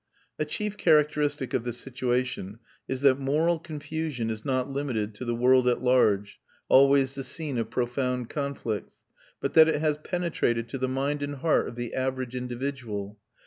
A chief characteristic of the situation is that moral confusion is not limited to the world at large, always the scene of profound conflicts, but that it has penetrated to the mind and heart of the average individual.